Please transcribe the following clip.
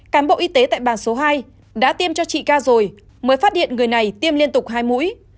cán bộ y tế tại bàn số hai đã tiêm cho chị ca rồi mới phát hiện người này tiêm liên tục hai mũi